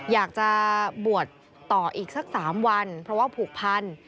อยากจะบวชต่ออีกสัก๓วันเพราะว่าผูกพัน